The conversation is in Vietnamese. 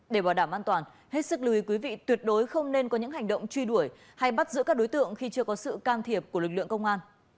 để bảo đảm an toàn hết sức lưu ý quý vị tuyệt đối không nên có những hành động truy đuổi hay bắt giữ các đối tượng khi chưa có sự can thiệp của lực lượng công an